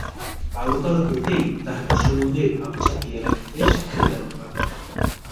বাল্যকাল হইতেই তাহাকে সমুদয় ভাব চাপিয়া রাখিতে শিক্ষা দেওয়া হয়।